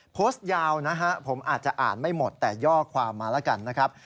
โพสต์ยาวนะฮะผมอาจจะอ่านไม่หมดแต่ย่อความมาแล้วกันนะครับ